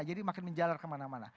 jadi makin menjalar kemana mana